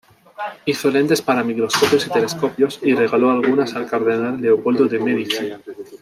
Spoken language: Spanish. Hizo lentes para microscopios y telescopios, y regaló algunas al cardenal Leopoldo de Medici.